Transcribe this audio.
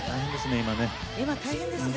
今、大変ですね。